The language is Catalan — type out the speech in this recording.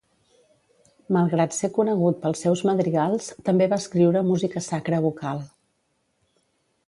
Malgrat ser conegut pels seus madrigals, també va escriure música sacra vocal.